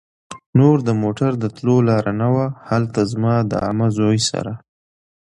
نور د موټر د تلو لار نه وه. هلته زما د عمه زوی سره